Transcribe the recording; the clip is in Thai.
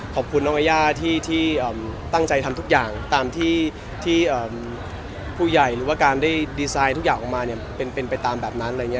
ขอบคุณน้องยาย่าที่ตั้งใจทำทุกอย่างตามที่ผู้ใหญ่หรือว่าการได้ดีไซน์ทุกอย่างออกมาเป็นไปตามแบบนั้นอะไรอย่างนี้